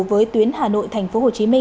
với tuyến hà nội tp hcm